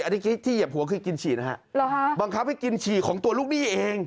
อันนี้ที่เหยียบหัวคือกินฉี่นะฮะบังคับให้กินฉี่ของตัวลูกหนี้เอง